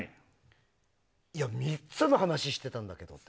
いや、３つの話をしていたんだけどって。